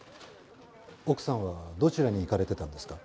奥さんはどちらに行かれてたんですか？